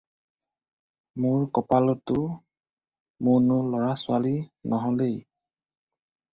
মোৰ কপালততো মোনো ল'ৰা-ছোৱালী নহ'লেই।